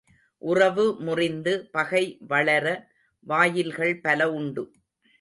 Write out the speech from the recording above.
உறவு முறிந்து பகை வளர வாயில்கள் பல உண்டு.